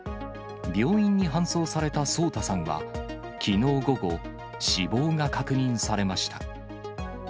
病院に搬送された颯太さんは、きのう午後、死亡が確認されました。